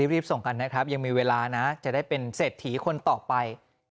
รีบส่งกันนะครับยังมีเวลานะจะได้เป็นเศรษฐีคนต่อไป